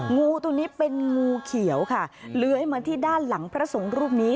งูตัวนี้เป็นงูเขียวค่ะเลื้อยมาที่ด้านหลังพระสงฆ์รูปนี้